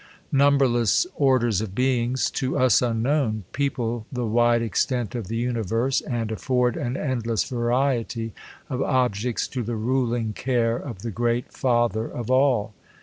Numberless orders of beings, to us unknown, pebple the wide extent of the universe, and afford an endless variety of objects to the ruling care of[ the i^reat Father of all.